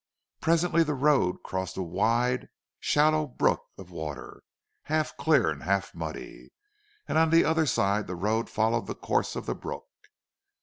Presently the road crossed a wide, shallow brook of water, half clear and half muddy; and on the other side the road followed the course of the brook.